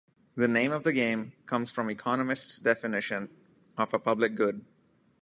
The name of the game comes from economist's definition of a "public good".